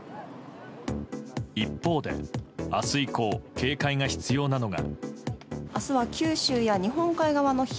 一方で明日以降警戒が必要なのが。